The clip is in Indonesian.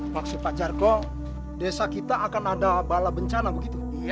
mungkin saja bang